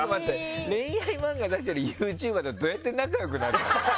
恋愛漫画出してるユーチューバーとはどうやって仲良くなるの？